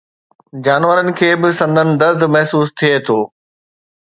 جانورن کي به سندن درد محسوس ٿئي ٿو